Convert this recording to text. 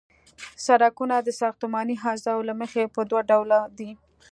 سرکونه د ساختماني اجزاوو له مخې په دوه ډلو دي